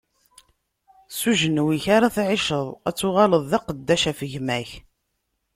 S ujenwi-k ara tɛiceḍ, ad tuɣaleḍ d aqeddac ɣef gma-k.